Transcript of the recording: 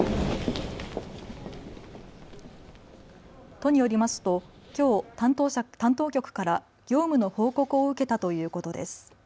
都によりますときょう担当局から業務の報告を受けたということです。